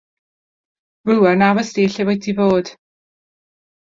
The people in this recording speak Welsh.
Rŵan, aros di lle rwyt ti fod.